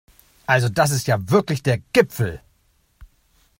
Also das ist ja wirklich der Gipfel!